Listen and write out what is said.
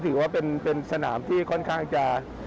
ถือว่าเป็นสนามที่ค่อนข้างจะ